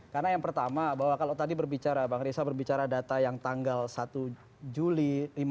karena yang pertama bahwa kalau tadi berbicara bang risa berbicara data yang tadi